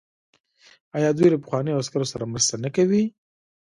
آیا دوی له پخوانیو عسکرو سره مرسته نه کوي؟